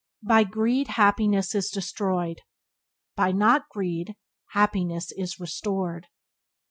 By greed happiness is destroyed; by not greed happiness is restored.